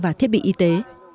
và thiết bị y tế